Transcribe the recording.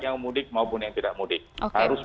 yang mudik maupun yang tidak mudik harus